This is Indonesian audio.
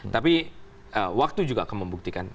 tapi waktu juga akan membuktikan